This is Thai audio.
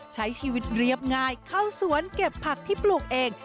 ใช้ชีวิตเรียบง่ายเข้าสวนเก็บผักที่ปลูกเอง